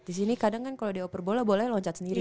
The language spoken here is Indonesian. disini kadang kan kalo dioper bola bolanya loncat sendiri